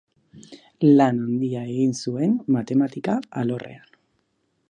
Lan handia egin zuen matematika alorrean.